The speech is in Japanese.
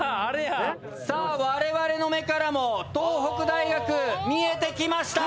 我々の目からも東北大学見えてきました。